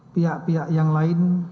pihak pihak yang lain